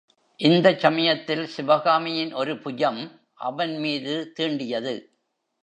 இந்தச் சமயத்தில் சிவகாமியின் ஒரு புஜம் அவன் மீது தீண்டியது.